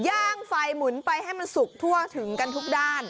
ย่างไฟหมุนไปให้มันสุกทั่วถึงกันทุกด้าน